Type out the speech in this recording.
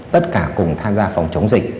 tất cả cùng tham gia phòng chống dịch